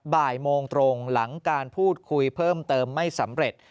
บ่ายโมงตรงหลังการพูดคุยเพิ่มเติมไม่สำเร็จ